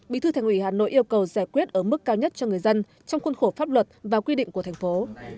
bí thư thành ủy hà nội yêu cầu giải quyết ở mức cao nhất cho người dân trong khuôn khổ pháp luật và quy định của thành phố